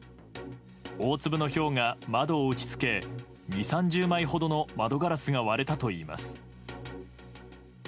大粒のひょうが窓を打ち付け２０３０枚ほどの窓ガラスが割れたといいます。